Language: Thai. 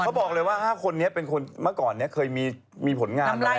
ก็บอกเลยว่าห้าคนนี้เป็นคนมาก่อนเนี่ยเคยมีขนงานแล้วอ่ะ